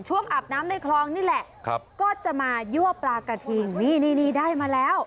อาบน้ำในคลองนี่แหละก็จะมายั่วปลากระทิงนี่นี่ได้มาแล้ว